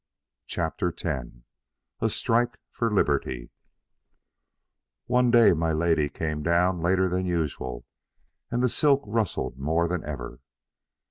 CHAPTER X A STRIKE FOR LIBERTY One day my lady came down later than usual, and the silk rustled more than ever.